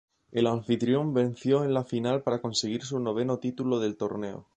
El anfitrión venció en la final a para conseguir su noveno título del torneo.